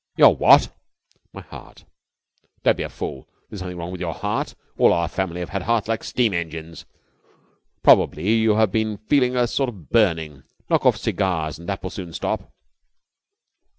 "Your what?" "My heart." "Don't be a fool. There's nothing wrong with your heart. All our family have had hearts like steam engines. Probably you have been feeling a sort of burning. Knock off cigars and that will soon stop."